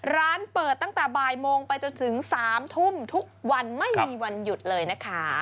ร้านเปิดตั้งแต่บ่ายโมงไปจนถึง๓ทุ่มทุกวันไม่มีวันหยุดเลยนะคะ